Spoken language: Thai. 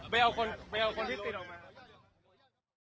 ใช่ขอคนที่ติดออกมาครับ